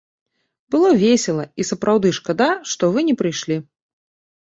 Было весела, і сапраўды шкада, што вы не прыйшлі!